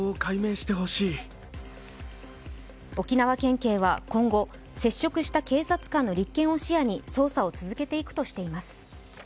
沖縄県警は今後、接触した警察官の立件を視野に捜査を続けていくとしています。